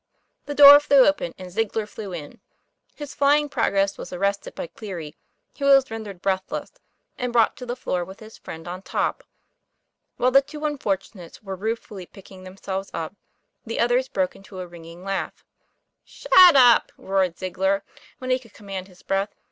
The door flew open, and Ziegler flew in. His flying progress was arrested by Cleary, who was rendered breathless and brought to the floor with his friend on top. While the two unfortunates were ruefully picking themselves up, the others broke into a ringing laugh. ;< Shut up!" roared Ziegler, when he could com mand his breath.